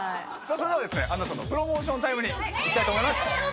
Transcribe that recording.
それではＡｎｎａさんのプロモーションタイムに。